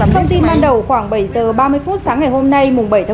thông tin ban đầu khoảng bảy h ba mươi phút sáng ngày hôm nay bảy một mươi một